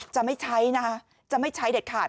จะไม่ใช้นะคะจะไม่ใช้เด็ดขาด